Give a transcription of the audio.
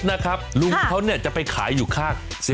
อย่าผมจะพาไป